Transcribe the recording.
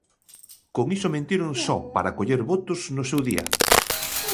Con iso mentiron só para recoller votos no seu día.